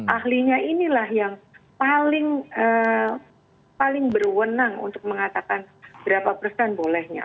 ahlinya inilah yang paling berwenang untuk mengatakan berapa persen bolehnya